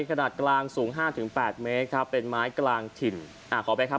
ขนาดกลางสูงห้าถึงแปดเมตรครับเป็นไม้กลางถิ่นอ่าขอไปครับ